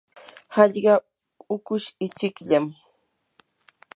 hallqa hukush ichikllam.